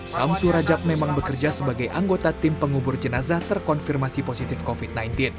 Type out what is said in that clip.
samsurajab memang bekerja sebagai anggota tim pengubur jenazah terkonfirmasi positif covid sembilan belas